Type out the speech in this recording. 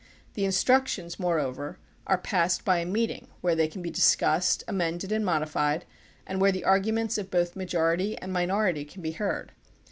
The instructions, moreover, are passed by a meeting where they can be discussed, amended, and modified, and where the arguments of both majority and minority can be heard.